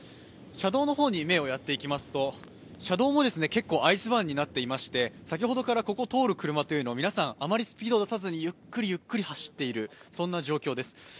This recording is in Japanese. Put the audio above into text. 車道の方に目をやっていきますと車道も結構、アイスバーンになっていまして先ほどからここを通る車は、皆さんあまりスピードを出さずにゆっくり走っている状況です。